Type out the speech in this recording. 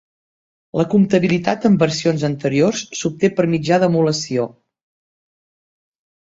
La compatibilitat amb versions anteriors s'obté per mitjà d'emulació.